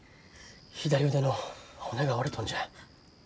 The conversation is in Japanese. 左腕の骨が折れとんじゃ。